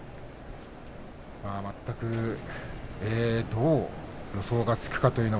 全く、どう予想がつくか。